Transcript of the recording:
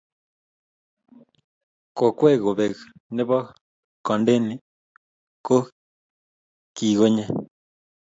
Kokwee kobek ne bo Kondeni ko kikonye